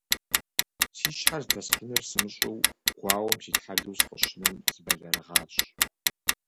Си щхьэр здэсхьынур сымыщӀэу, гуауэм ситхьэлэу сыкъыщынэм, сыбэлэрыгъащ.